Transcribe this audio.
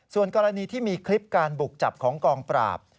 ส่วนกรณีที่มีคลิปการบุกจับของกองปราบ